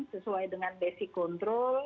sesuai dengan basic control